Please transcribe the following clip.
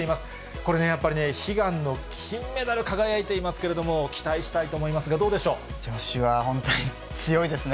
これね、やっぱりね、悲願の金メダル輝いていますけれども、期待したいと思いますが、女子は本当に強いですね。